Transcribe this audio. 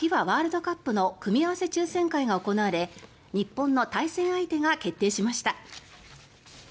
ワールドカップの組み合わせ抽選会が行われ日本の対戦相手が決定しました。